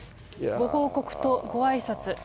ご報告とごあいさつ。